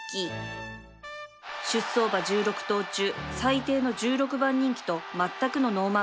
出走馬１６頭中最低の１６番人気とまったくのノーマークだった